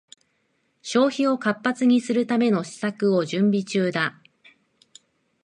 消費を活発にするための施策を準備中だ